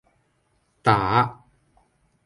打